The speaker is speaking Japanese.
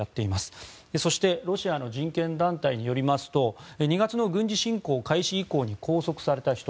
そしてロシアの人権団体によりますと２月の軍事侵攻開始以降に拘束された人